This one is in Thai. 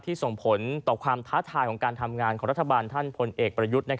ส่งผลต่อความท้าทายของการทำงานของรัฐบาลท่านพลเอกประยุทธ์